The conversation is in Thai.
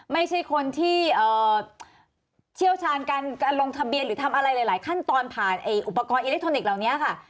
ไม่ใช่คนที่เชี่ยวชาญการลงทะเบียนหรือทำอะไรหลายขั้นตอนผ่านอุปกรณ์อิเล็กทรอนิกส์เหล่านี้ค่ะ